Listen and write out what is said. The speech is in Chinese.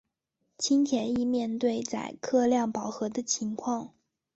轻铁亦面对载客量饱和的情况。